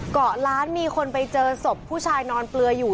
เกาะล้านมีคนไปเจอศพผู้ชายนอนเปลืออยู่